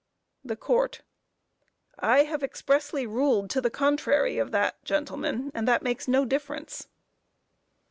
THE COURT: I have expressly ruled to the contrary of that, gentlemen; that that makes no difference.